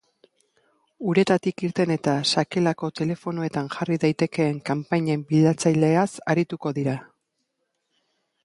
Uretatik irten eta sakelako telefonoetan jarri daiteken kanpinen bilatzaileaz arituko dira.